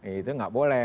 itu nggak boleh